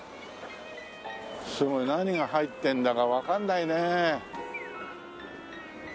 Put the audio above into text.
すごい何が入ってんだかわかんないね。